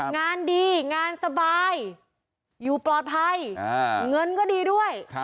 งานดีงานสบายอยู่ปลอดภัยเงินก็ดีด้วย